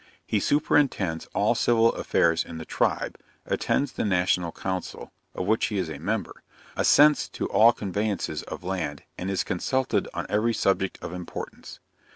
He superintends all civil affairs in the tribe; attends the national council, of which he is a member; assents to all conveyances of land, and is consulted on every subject of importance.